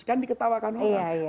kan diketawakan orang